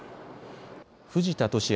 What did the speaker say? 藤田聖也